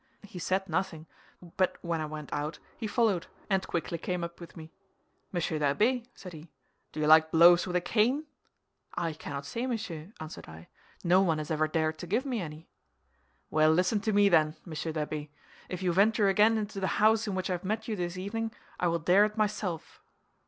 He said nothing; but when I went out he followed, and quickly came up with me. 'Monsieur the Abbé,' said he, 'do you like blows with a cane?' 'I cannot say, monsieur,' answered I; 'no one has ever dared to give me any.' 'Well, listen to me, then, Monsieur the Abbé! If you venture again into the house in which I have met you this evening, I will dare it myself.